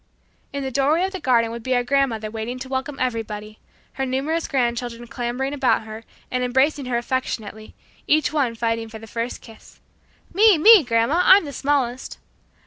In the doorway of the garden would be our grandmother waiting to welcome everybody, her numerous grandchildren clambering about her and embracing her affectionately, each one fighting for the first kiss. "Me, me, grandma; I'm the smallest."